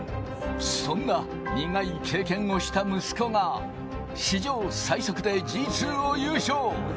そんな苦い経験をした息子が、史上最速でＧＩＩを優勝。